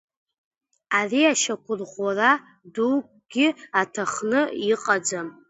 Ари ашьақәырӷәӷәара дукгьы аҭахны иҟаӡам.